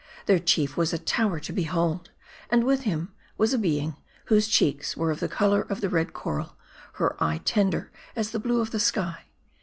Their chief was a tower to behold ; and with him, was a being, whose cheeks were of the color df the red coral ; her eye, tender as the blue of the sky.